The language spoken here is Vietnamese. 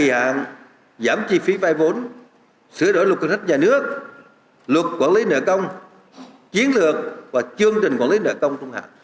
hạn giảm chi phí vai vốn sửa đổi luật cơ sách nhà nước luật quản lý nợ công chiến lược và chương trình quản lý nợ công